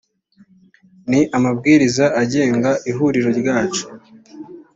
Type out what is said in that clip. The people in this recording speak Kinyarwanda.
ni amabwiriza agenga ihuriro ryacu